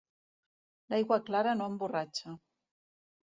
L'aigua clara no emborratxa.